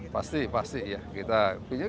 pasti pasti ya